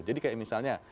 jadi kayak misalnya